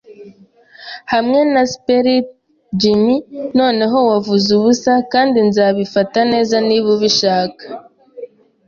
hamwe na sperrits, Jim. Noneho, wavuze ubusa, kandi nzabifata neza niba ubishaka